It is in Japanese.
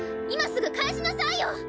今すぐ返しなさいよ！